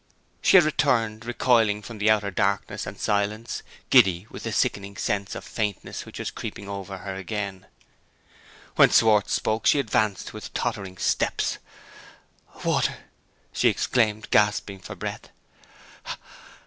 She had returned, recoiling from the outer darkness and silence, giddy with the sickening sense of faintness which was creeping over her again. When Schwartz spoke she advanced with tottering steps. "Water!" she exclaimed, gasping for breath.